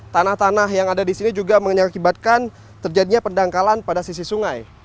tanah tanah yang ada di sini juga mengakibatkan terjadinya pendangkalan pada sisi sungai